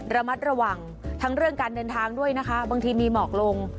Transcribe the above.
ระมัดระวังทั้งเรื่องการเดินทางด้วยนะคะบางทีมีหมอกลง